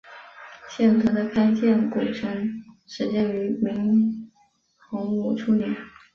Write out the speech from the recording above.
现存的开建古城始建于明洪武初年。